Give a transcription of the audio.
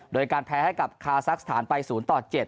โดยการแพ้ให้กับคาซักสถานไป๐ต่อ๗